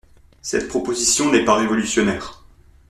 Cette proposition n’est pas révolutionnaire.